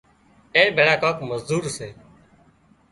اين ڀيۯا ڪانڪ مزور سي